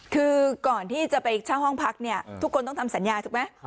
คือก่อนที่จะไปเช่าห้องพักเนี่ยทุกคนต้องทำสัญญาถูกไหม